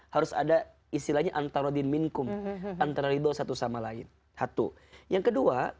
harus ada istilahnya antara dinminkum antara ridho satu sama lain satu yang kedua jika memang